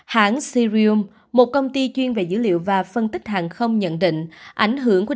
hãng sirium một công ty chuyên về dữ liệu và phân tích hàng không nhận định ảnh hưởng của